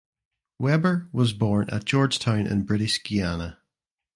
Weber was born at Georgetown in British Guiana.